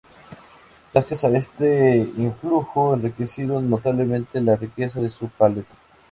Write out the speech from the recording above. Gracias a este influjo enriqueció notablemente la riqueza de su paleta.